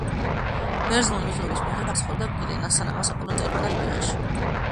ბერძნული მითოლოგიის მიხედვით აქ ცხოვრობდა კირენა, სანამ მას აპოლონი წაიყვანდა ლიბიაში.